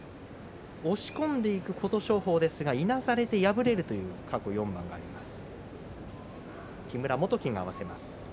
押し込んでいく琴勝峰ですがいなされて敗れるという過去４番があります。